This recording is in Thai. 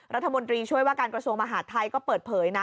รัฐมนตรีช่วยว่าการกระทรวงมหาดไทยก็เปิดเผยนะ